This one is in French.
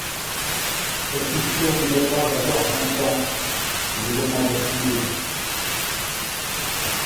Es-tu sûr de ne pas avoir vingt ans?... lui demanda-t-il.